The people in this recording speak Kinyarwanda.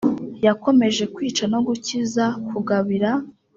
Yakomeje kwica no gukiza, kugabira,